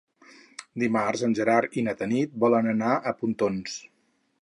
Dimarts en Gerard i na Tanit volen anar a Pontons.